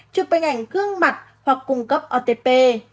chụp bình ảnh gương mặt hoặc cung cấp otp